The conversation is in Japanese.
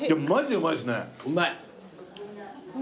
うまい。